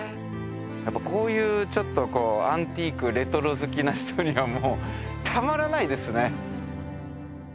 やっぱこういうちょっとアンティークレトロ好きな人にはもうたまらないですね。